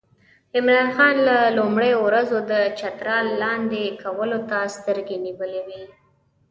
عمرا خان له لومړیو ورځو د چترال لاندې کولو ته سترګې نیولې وې.